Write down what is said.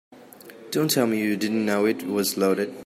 Don't tell me you didn't know it was loaded.